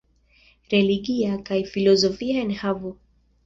Religia kaj filozofia enhavo.